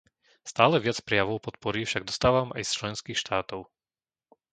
Stále viac prejavov podpory však dostávam aj z členských štátov.